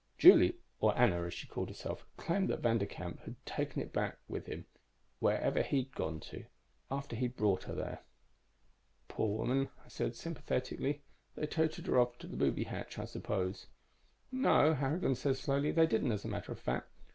Julie or Anna, as she called herself claimed that Vanderkamp had taken it back with him, wherever he'd gone to, after he'd brought her there." "Poor woman," I said sympathetically. "They toted her off to the booby hatch, I suppose." "No...." Harrigan said slowly. "They didn't, as a matter of fact.